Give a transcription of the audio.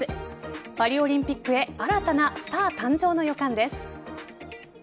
パリオリンピックへ新たなスター誕生の予感です。